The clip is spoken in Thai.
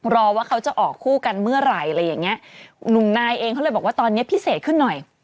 รอว่าเขาจะออกคู่กันเมื่อไหร่อะไรอย่างเงี้ยหนุ่มนายเองเขาเลยบอกว่าตอนนี้พิเศษขึ้นหน่อย